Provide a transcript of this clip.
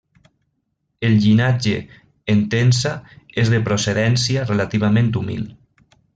El llinatge Entença és de procedència relativament humil.